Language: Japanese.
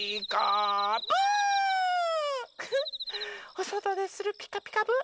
おそとでする「ピカピカブ！」